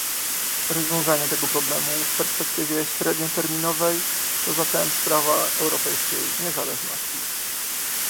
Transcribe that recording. Rozwiązanie tego problemu w perspektywie średnioterminowej to zatem sprawa europejskiej niezależności